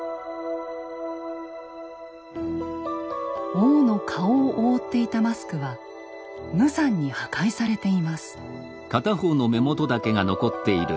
王の顔を覆っていたマスクは無残に破壊されています。